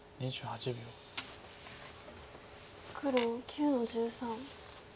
黒９の十三。